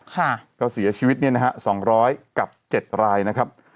ค่ะก็เสียชีวิตเนี่ยนะฮะสองร้อยกับเจ็ดรายนะครับ